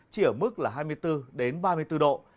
chỉ ở mức là hai mươi bốn ba mươi bốn độ